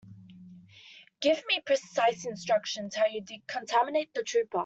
Give me precise instructions how to decontaminate the trooper.